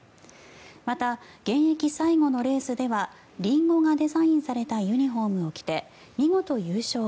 また、現役最後のレースではリンゴがデザインされたユニホームを着て見事優勝。